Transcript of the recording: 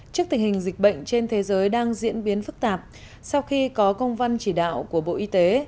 trước tình hình dịch bệnh trên thế giới đang diễn biến phức tạp sau khi có công văn chỉ đạo của bộ y tế